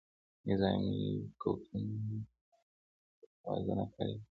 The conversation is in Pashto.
نظامي قوتونو یې نړۍ بې توازونه کړې وه.